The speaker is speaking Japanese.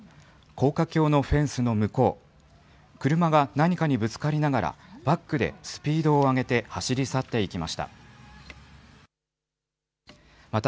高架橋のフェンスの向こう、車が何かにぶつかりながら、バックでスピードを上げて走り去っていきました。